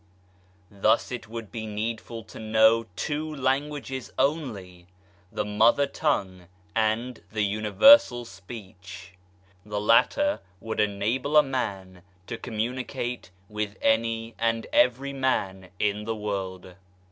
Thus it would be needful to know two languages only, the Mother tongue and the Universal Speech. The latter would enable a man to communicate with any and every man in the world